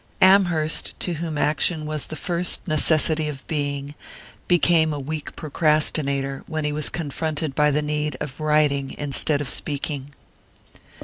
Amherst, to whom action was the first necessity of being, became a weak procrastinator when he was confronted by the need of writing instead of speaking.